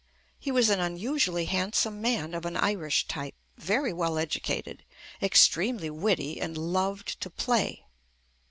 He was an unusu ally handsome man of an Irish type, very well educated, extremely witty, and loved to play.